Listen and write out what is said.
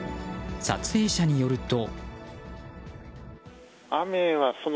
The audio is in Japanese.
撮影者によると。